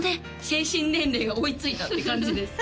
精神年齢が追いついたって感じです